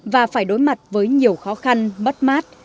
và phải đối mặt với nhiều khó khăn mất mát